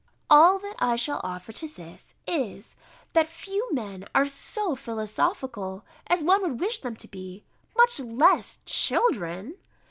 All that I shall offer to this, is, that few men are so philosophical as one would wish them to be, much less children.